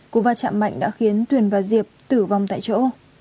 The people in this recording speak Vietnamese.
cú va chạm mạnh đã khiến tuyền và diệp tử vong tại chỗ